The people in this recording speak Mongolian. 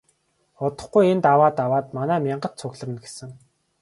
Удахгүй энэ даваа даваад манай мянгат цугларна гэсэн.